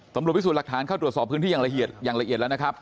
ตำรวจพิสูจน์หลักฐานเข้าตรวจสอบพื้นที่อย่างละเอียดอย่างละเอียดแล้วนะครับ